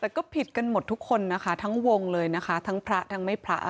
แต่ก็ผิดกันหมดทุกคนนะคะทั้งวงเลยนะคะทั้งพระทั้งไม่พระ